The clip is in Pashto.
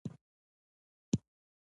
او گوډه د سرک څخه لار ورته ورگرځیدلې ده،